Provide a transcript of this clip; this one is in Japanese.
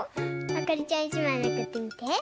あかりちゃん１まいめくってみて。